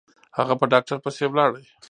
هغه په ډاکتر پسې ولاړه.